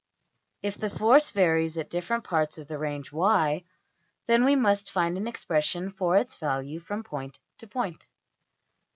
If the force varies at different parts of the range~$y$, then we must find an expression for its value from point to point.